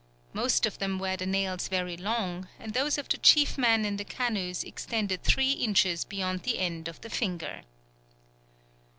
Most of them wear the nails very long, and those of the chief men in the canoes extended three inches beyond the end of the finger.